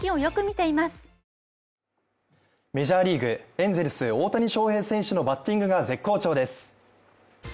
エンゼルス大谷翔平選手のバッティングが絶好調です。